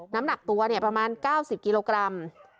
น้ำหนักตัวประมาณ๙๐กิโลกรัม